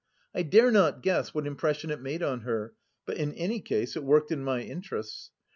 I dare not guess what impression it made on her, but in any case it worked in my interests.